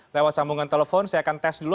lewat sambungan telepon saya akan tes dulu